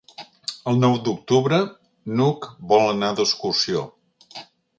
El nou d'octubre n'Hug vol anar d'excursió.